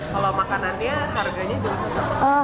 kalau makanan dia harganya juga cocok